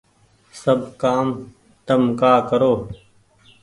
سب ڪآم تم ڪآ ڪرو